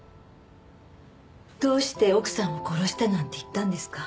どうして奥さんを殺したなんて言ったんですか？